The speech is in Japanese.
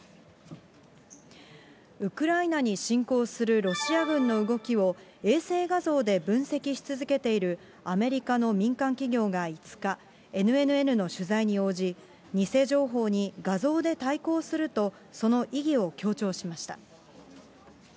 ウクライナに侵攻するロシア軍の動きを、衛星画像で分析し続けているアメリカの民間企業が５日、ＮＮＮの取材に応じ、偽情報に画像で対抗すると、その意義を強調しました。